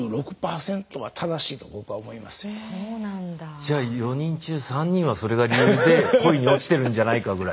じゃあ４人中３人はそれが理由で恋に落ちてるんじゃないかぐらい。